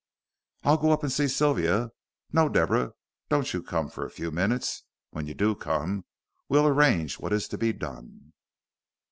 "I'll go up and see Sylvia. No, Deborah, don't you come for a few minutes. When you do come we'll arrange what is to be done."